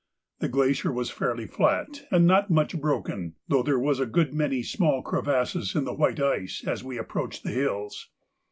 The glacier was fairly flat and not much broken, though there were a good many small crevasses in the white ice as we approached the hills.